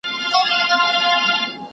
زه مې ولې